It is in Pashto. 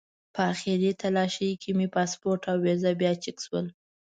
په آخري تالاشۍ کې مې پاسپورټ او ویزه بیا چک شول.